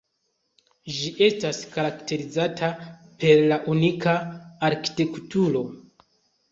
Ĝi estas karakterizata per la unika arkitekturo.